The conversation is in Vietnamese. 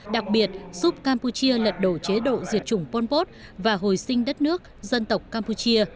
đặc biệt giúp campuchia lật đổ chế độ diệt chủng pol pot và hồi sinh đất nước dân tộc campuchia